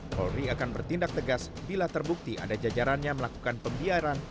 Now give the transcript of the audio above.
polri akan bertindak tegas bila terbukti ada jajarannya melakukan pembiaran